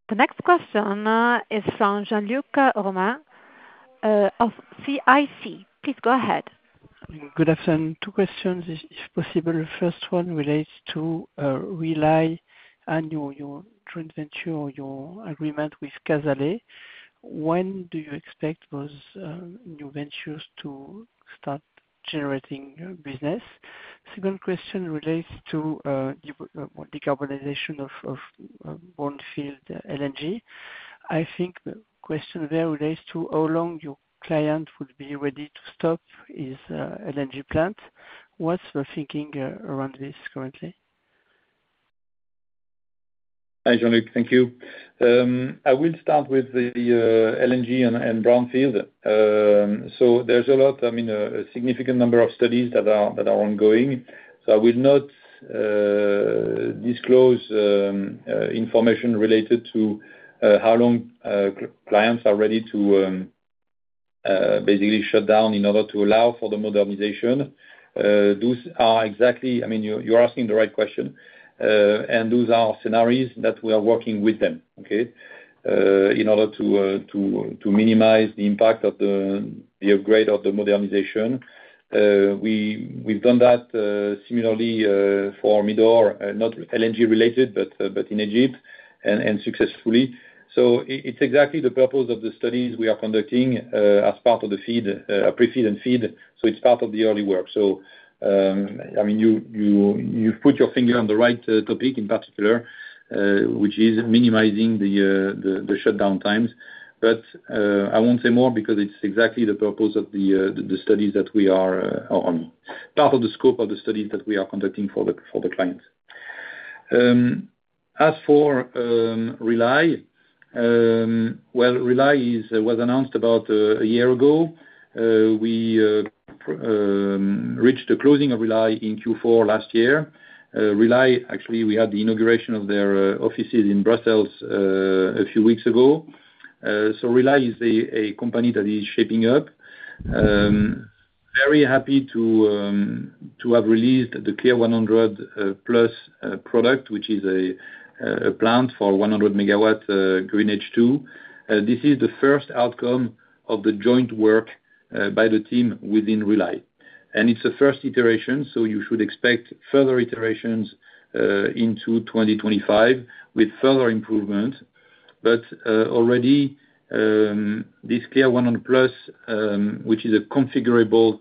The next question is from Jean-Luc Romain of CIC. Please go ahead. Good afternoon. Two questions if possible. The first one relates to Rely and your joint venture or your agreement with Casale. When do you expect those new ventures to start generating business? Second question relates to the decarbonization of brownfield LNG. I think the question there relates to how long your client would be ready to stop his LNG plant. What's the thinking around this currently? Hi, Jean-Luc, thank you. I will start with the LNG and brownfield. So there's a lot, I mean, a significant number of studies that are ongoing, so I will not disclose information related to how long clients are ready to basically shut down in order to allow for the modernization. Those are exactly... I mean, you're asking the right question... and those are scenarios that we are working with them, okay? In order to minimize the impact of the upgrade of the modernization. We've done that similarly for Midor, not LNG related, but in Egypt, and successfully. So it's exactly the purpose of the studies we are conducting, as part of the FEED, pre-FEED and FEED, so it's part of the early work. So, I mean, you've put your finger on the right topic in particular, which is minimizing the shutdown times. But, I won't say more because it's exactly the purpose of the studies that we are on, part of the scope of the studies that we are conducting for the clients. As for Rely, well, Rely was announced about a year ago. We reached the closing of Rely in Q4 last year. Actually, we had the inauguration of their offices in Brussels a few weeks ago. So Rely is a company that is shaping up. Very happy to have released the Clear100+ product, which is a plant for 100-megawatt green H2. This is the first outcome of the joint work by the team within Rely. It's a first iteration, so you should expect further iterations into 2025, with further improvement. But already, this Clear100+, which is a configurable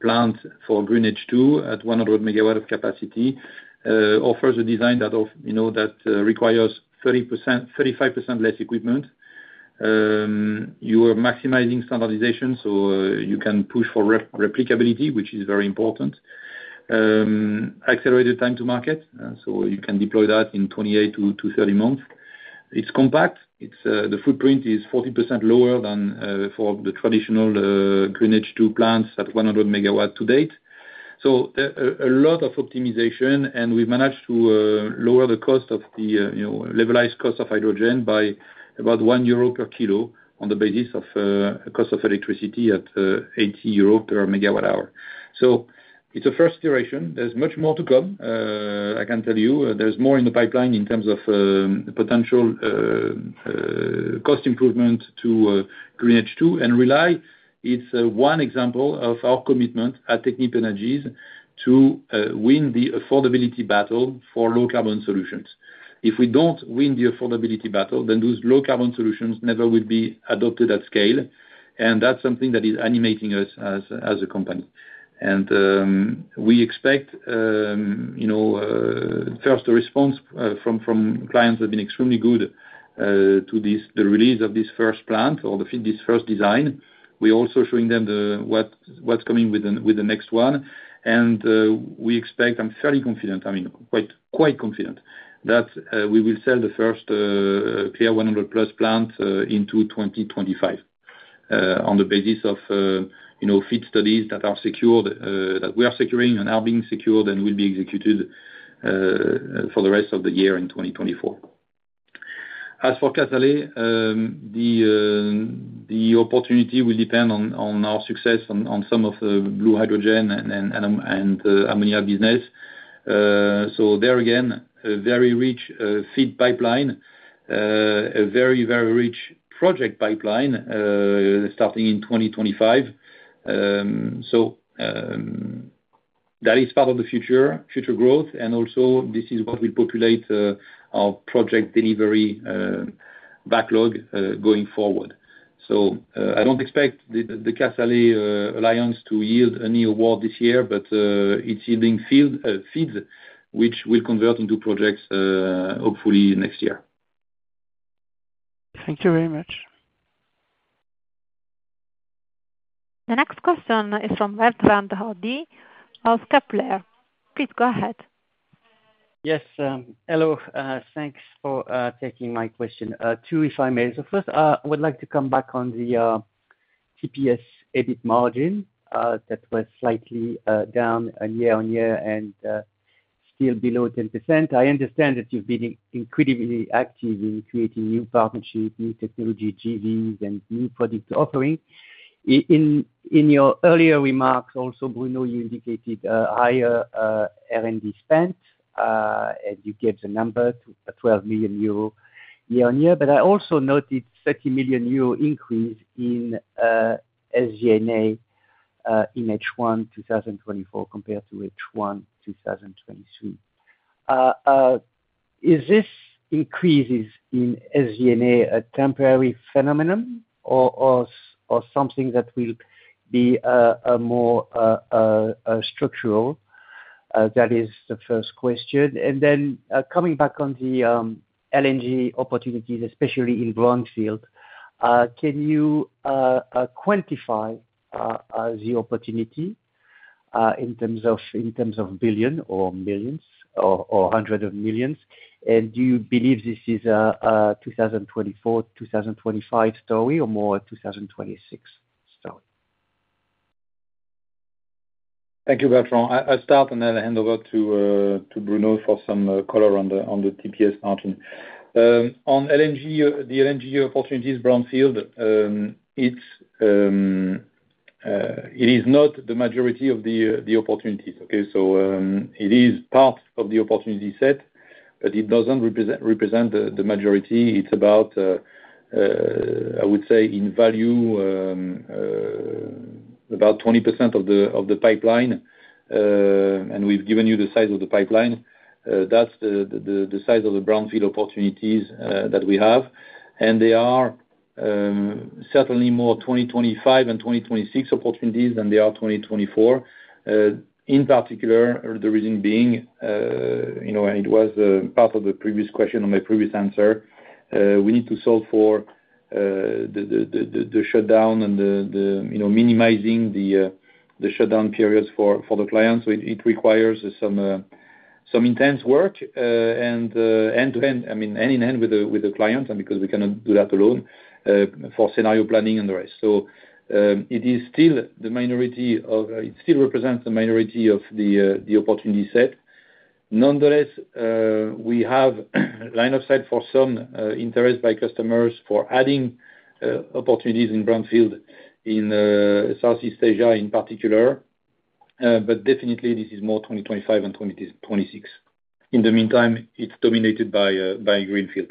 plant for green H2 at 100 megawatts of capacity, offers a design that, you know, requires 30%-35% less equipment. You are maximizing standardization, so you can push for replicability, which is very important. Accelerated time to market, so you can deploy that in 28 to 30 months. It's compact, it's the footprint is 40% lower than for the traditional green H2 plants at 100 MW to date. So a lot of optimization, and we've managed to lower the cost of the, you know, levelized cost of hydrogen by about 1 euro per kg on the basis of cost of electricity at 80 euro/MWh. So it's a first iteration. There's much more to come. I can tell you, there's more in the pipeline in terms of potential cost improvement to green H2. And Rely is one example of our commitment at Technip Energies to win the affordability battle for low carbon solutions. If we don't win the affordability battle, then those low carbon solutions never will be adopted at scale, and that's something that is animating us as a company. We expect, you know, first the response from clients have been extremely good to the release of this first plant or this first design. We're also showing them the, what, what's coming with the next one, and we expect, I'm fairly confident, I mean, quite confident, that we will sell the first Clear100+ plant into 2025. On the basis of, you know, FEED studies that are secured, that we are securing and are being secured and will be executed for the rest of the year in 2024. As for Casale, the opportunity will depend on our success on some of the blue hydrogen and ammonia business. So there again, a very rich FEED pipeline, a very rich project pipeline, starting in 2025. So, that is part of the future growth, and also, this is what will populate our Project Delivery backlog going forward. So, I don't expect the Casale alliance to yield any award this year, but it's yielding FEEDs, which will convert into projects, hopefully next year. Thank you very much. The next question is from Bertrand Hodee of Kepler. Please go ahead. Yes, hello. Thanks for taking my question. Two, if I may. So first, I would like to come back on the TPS EBIT margin that was slightly down on year-on-year and still below 10%. I understand that you've been incredibly active in creating new partnerships, new technology JVs, and new product offerings. In your earlier remarks also, Bruno, you indicated higher R&D spend and you gave the number 12 million euro year-on-year. But I also noted 30 million euro increase in SG&A in H1 2024 compared to H1 2023. Is this increases in SG&A a temporary phenomenon or something that will be a more structural? That is the first question. And then, coming back on the, LNG opportunities, especially in brownfield, can you quantify the opportunity, in terms of, in terms of billion or millions or, or hundreds of millions? And do you believe this is a, a 2024, 2025 story, or more a 2026 story? Thank you, Bertrand. I'll start and then hand over to, to Bruno for some, color on the, on the TPS margin. On LNG, the LNG opportunities, brownfield, it is not the majority of the, the opportunities, okay? So, it is part of the opportunity set, but it doesn't represent the, the majority. It's about, I would say in value, about 20% of the, of the pipeline, and we've given you the size of the pipeline. That's the size of the brownfield opportunities that we have. They are certainly more 2025 and 2026 opportunities than they are 2024. In particular, the reason being, you know, and it was part of the previous question on my previous answer, we need to solve for the shutdown and the you know, minimizing the shutdown periods for the clients. So it requires some intense work and end to end, I mean, hand in hand with the clients, and because we cannot do that alone, for scenario planning and the rest. So it is still the minority of, it still represents the minority of the opportunity set. Nonetheless, we have line of sight for some interest by customers for adding opportunities in brownfield in Southeast Asia in particular. But definitely this is more 2025 than 2026. In the meantime, it's dominated by greenfield.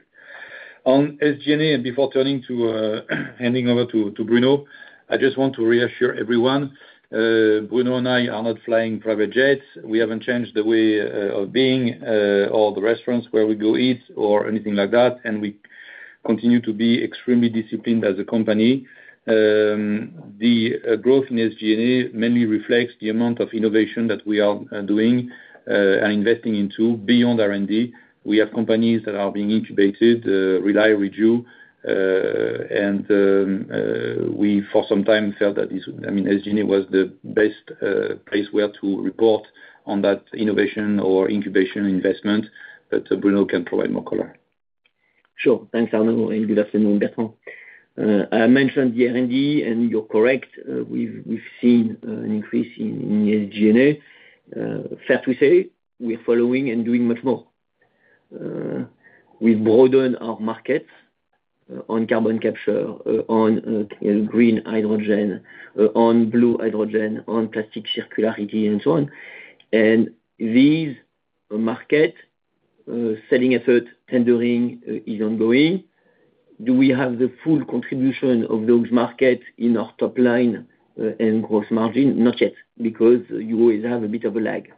On SG&A, and before turning to handing over to Bruno, I just want to reassure everyone, Bruno and I are not flying private jets. We haven't changed the way of being or the restaurants where we go eat or anything like that, and we continue to be extremely disciplined as a company. The growth in SG&A mainly reflects the amount of innovation that we are doing and investing into beyond R&D. We have companies that are being incubated, Rely, Reju, and we, for some time, felt that this... I mean, SG&A was the best place where to report on that innovation or incubation investment, but Bruno can provide more color. Sure. Thanks, Arnaud, and good afternoon, Bertrand. I mentioned the R&D, and you're correct. We've seen an increase in SG&A. Fair to say, we're following and doing much more. We've broadened our markets on carbon capture, on green hydrogen, on blue hydrogen, on plastic circularity, and so on. And these market selling effort, tendering is ongoing. Do we have the full contribution of those markets in our top line and gross margin? Not yet, because you always have a bit of a lag.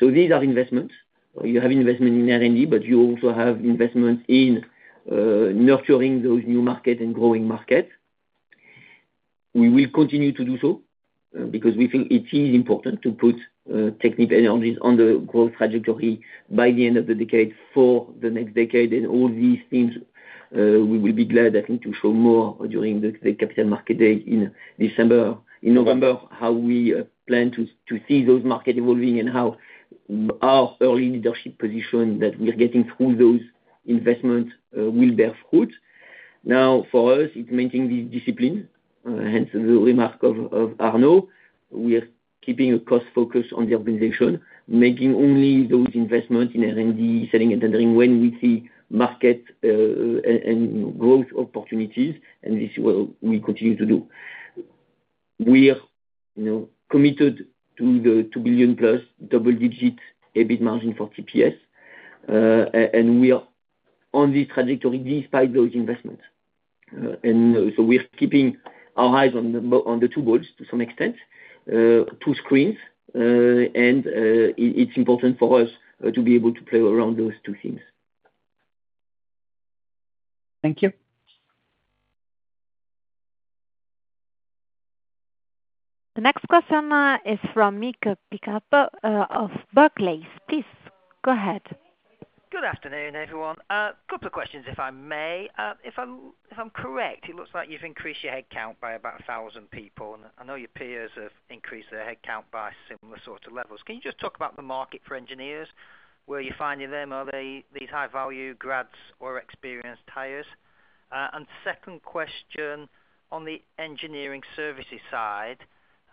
So these are investments. You have investment in R&D, but you also have investments in nurturing those new markets and growing markets. We will continue to do so, because we think it is important to put Technip Energies on the growth trajectory by the end of the decade, for the next decade. And all these things, we will be glad, I think, to show more during the Capital Markets Day in December, in November, how we plan to see those markets evolving and how our early leadership position that we are getting through those investments will bear fruit. Now, for us, it's maintaining the discipline, hence the remark of Arnaud. We are keeping a cost focus on the organization, making only those investments in R&D, selling and tendering when we see market and growth opportunities, and this is what we continue to do. We are, you know, committed to the 2 billion plus double-digit EBIT margin for TPS, and we are on this trajectory despite those investments. And so we're keeping our eyes on the two goals to some extent, two screens, and it's important for us to be able to play around those two things. Thank you. The next question is from Mick Pickup of Barclays. Please go ahead. Good afternoon, everyone. Couple of questions, if I may. If I'm correct, it looks like you've increased your headcount by about 1,000 people, and I know your peers have increased their headcount by similar sorts of levels. Can you just talk about the market for engineers? Where are you finding them? Are they these high-value grads or experienced hires? And second question, on the engineering services side,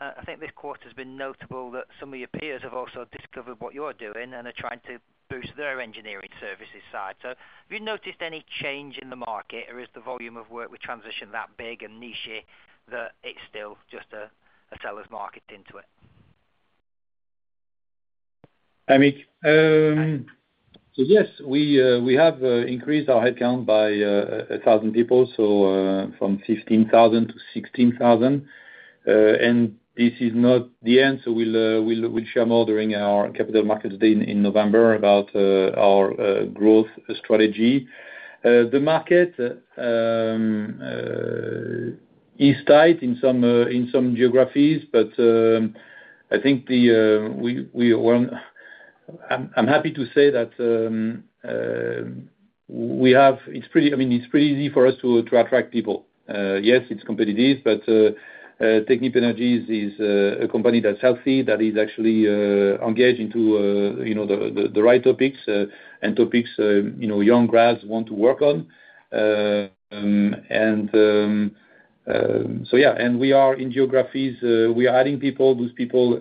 I think this quarter's been notable that some of your peers have also discovered what you're doing and are trying to boost their engineering services side. So have you noticed any change in the market, or is the volume of work with transition that big and nichey, that it's still just a seller's market into it? Hi, Mick. So yes, we have increased our headcount by 1,000 people, so from 15,000 to 16,000. And this is not the end, so we'll share more during our Capital Markets Day in November about our growth strategy. The market is tight in some geographies, but I think we won't... I'm happy to say that we have, it's pretty, I mean, it's pretty easy for us to attract people. Yes, it's competitive, but Technip Energies is a company that's healthy, that is actually engaged into you know, the right topics, and topics you know young grads want to work on. So yeah, and we are in geographies, we are adding people, those people,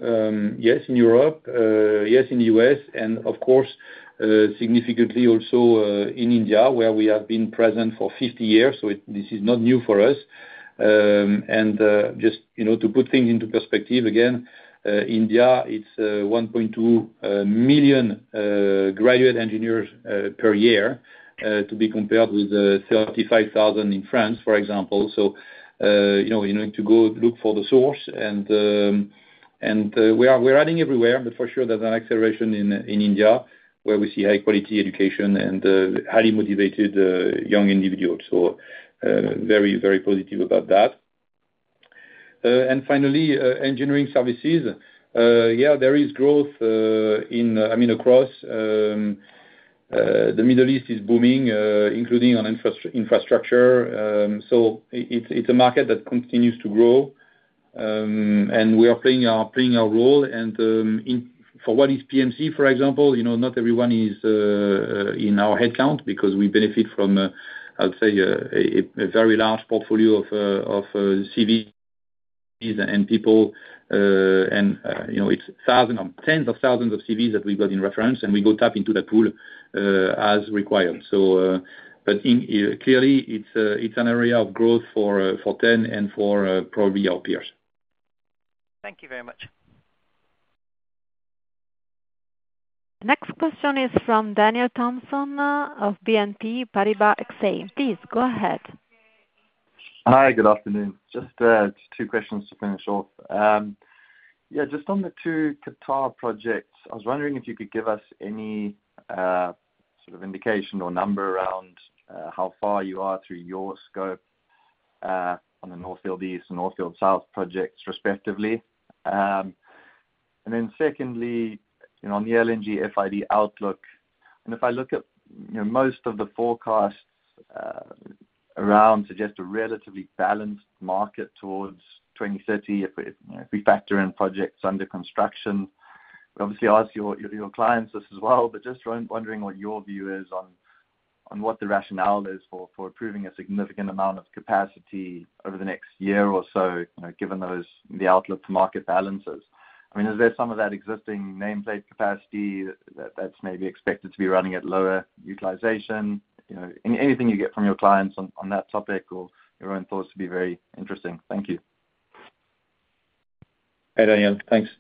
yes, in Europe, yes, in the US, and of course, significantly also in India, where we have been present for 50 years, so it, this is not new for us. And just, you know, to put things into perspective again, India, it's 1.2 million graduate engineers per year, to be compared with 35,000 in France, for example. So, you know, you need to go look for the source, and, and we are, we're adding everywhere, but for sure, there's an acceleration in India, where we see high-quality education and highly motivated young individuals. So, very, very positive about that. And finally, engineering services. Yeah, there is growth, I mean, across the Middle East is booming, including on infrastructure. So it's a market that continues to grow. And we are playing our role, and in... For what is PMC, for example, you know, not everyone is in our headcount, because we benefit from, I'll say, a very large portfolio of CVs and people, and you know, it's 1,000 or tens of thousands of CVs that we got in reference, and we go tap into that pool as required. So, but clearly, it's an area of growth for TEN and for probably our peers. Thank you very much. Next question is from Daniel Thomson of BNP Paribas Exane. Please go ahead. Hi, good afternoon. Just two questions to finish off. Yeah, just on the two Qatar projects, I was wondering if you could give us any sort of indication or number around how far you are through your scope on the North Field East and North Field South projects, respectively? And then secondly, you know, on the LNG FID outlook, and if I look at, you know, most of the forecasts around suggest a relatively balanced market towards 2030, if we, you know, if we factor in projects under construction. We obviously ask your clients this as well, but just wondering what your view is on what the rationale is for approving a significant amount of capacity over the next year or so, you know, given those the outlook to market balances. I mean, is there some of that existing nameplate capacity that, that's maybe expected to be running at lower utilization? You know, anything you get from your clients on, on that topic or your own thoughts would be very interesting. Thank you. Hi, Daniel. Thanks.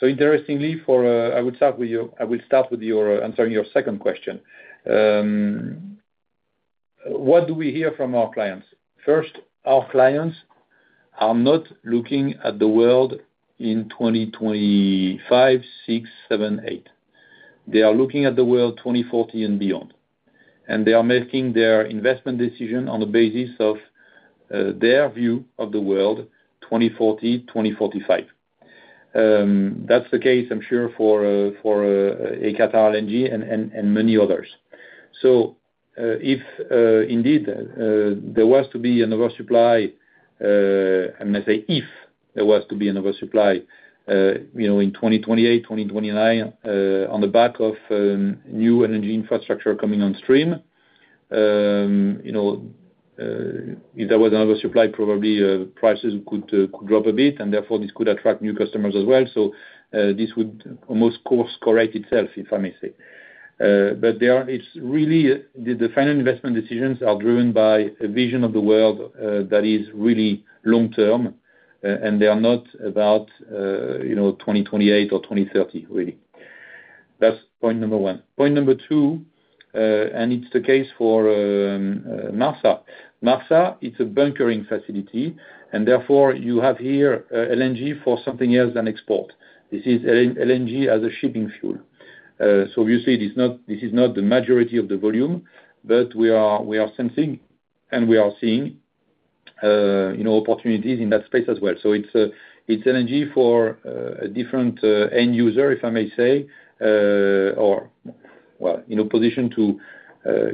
So interestingly for, I would start with you, I will start with your, answering your second question. What do we hear from our clients? First, our clients are not looking at the world in 2025, 6, 7, 8. They are looking at the world 2040 and beyond, and they are making their investment decision on the basis of, their view of the world, 2040, 2045. That's the case, I'm sure, for, for, for, Qatar LNG and, and, and many others. So, if indeed there was to be an oversupply, I may say, if there was to be an oversupply, you know, in 2028, 2029, on the back of new energy infrastructure coming on stream, you know, if there was an oversupply, probably prices could drop a bit, and therefore this could attract new customers as well. So, this would almost course correct itself, if I may say. But there are. It's really the final investment decisions are driven by a vision of the world that is really long term, and they are not about, you know, 2028 or 2030, really. That's point number one. Point number two, and it's the case for Marsa. Marsa, it's a bunkering facility, and therefore, you have here LNG for something else than export. This is LNG as a shipping fuel. So obviously, this is not the majority of the volume, but we are sensing and we are seeing, you know, opportunities in that space as well. So it's LNG for a different end user, if I may say. Or, well, in a position to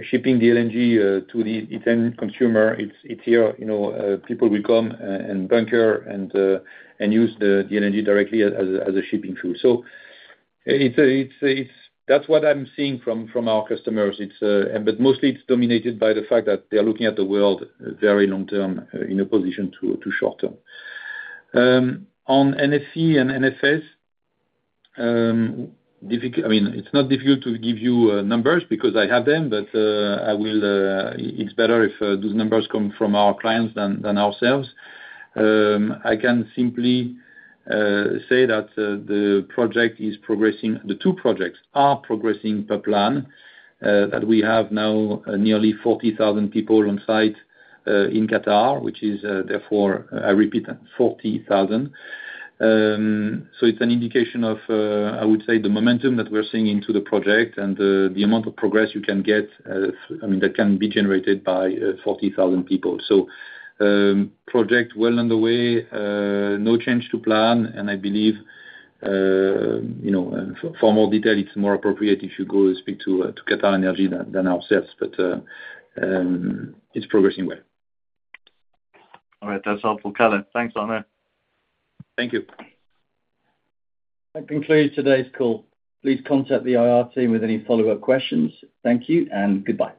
shipping the LNG to the end consumer, it's here, you know, people will come and bunker and use the LNG directly as a shipping fuel. So it's a, it's a, it's... That's what I'm seeing from our customers. It's but mostly it's dominated by the fact that they're looking at the world very long term, in opposition to, to short term. On NFE and NFS, I mean, it's not difficult to give you numbers because I have them, but I will, it's better if those numbers come from our clients than, than ourselves. I can simply say that the project is progressing, the two projects are progressing per plan. That we have now nearly 40,000 people on site, in Qatar, which is, therefore, I repeat, 40,000. So it's an indication of, I would say, the momentum that we're seeing into the project, and the, the amount of progress you can get, I mean, that can be generated by 40,000 people. Project well underway, no change to plan, and I believe, you know, and for more detail, it's more appropriate if you go speak to QatarEnergy than ourselves, but it's progressing well. All right. That's helpful color. Thanks, Arnaud. Thank you. That concludes today's call. Please contact the IR team with any follow-up questions. Thank you and goodbye.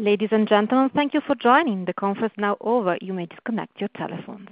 Ladies and gentlemen, thank you for joining. The conference is now over. You may disconnect your telephones.